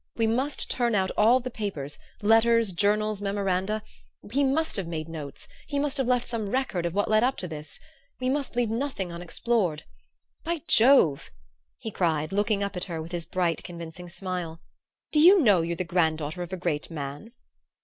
We must turn out all the papers letters, journals, memoranda. He must have made notes. He must have left some record of what led up to this. We must leave nothing unexplored. By Jove," he cried, looking up at her with his bright convincing smile, "do you know you're the granddaughter of a Great Man?"